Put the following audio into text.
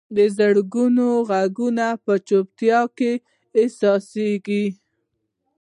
د زړونو ږغونه په چوپتیا کې احساسېږي.